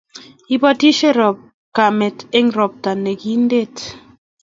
Ibotisie kamet eng' robta ne kinte